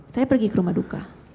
saya pergi ke rumah duka